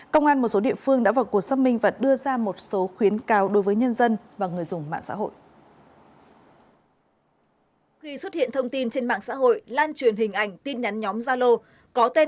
công an một số địa phương đã vào cuộc xâm minh và đưa ra một số khuyến cáo đối với nhân dân và người dùng mạng xã hội